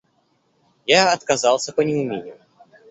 Я отказался по неумению.